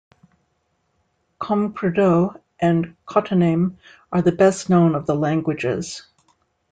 Comecrudo and Cotoname are the best known of the languages.